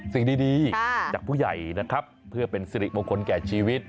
สิ่งดีจากผู้ใหญ่นะครับเพื่อเป็นสิริมงคลแก่ชีวิต